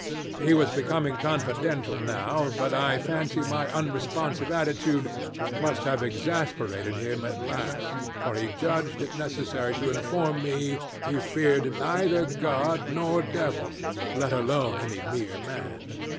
"He was becoming confidential now, but I fancy my unresponsive attitude must have exasperated him at last, for he judged it necessary to inform me he feared neither God nor devil, let alone any mere man.